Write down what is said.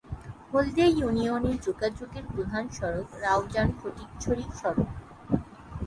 হলদিয়া ইউনিয়নে যোগাযোগের প্রধান সড়ক রাউজান-ফটিকছড়ি সড়ক।